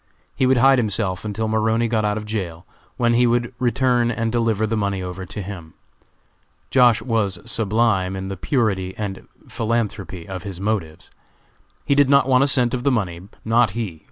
He would hide himself until Maroney got out of jail, when he would return and deliver the money over to him. Josh. was sublime in the purity and philanthropy of his motives. He did not want a cent of the money; not he!